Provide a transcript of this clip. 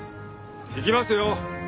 行きますよ。